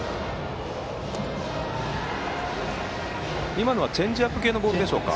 今のはチェンジアップ系のボールでしたか。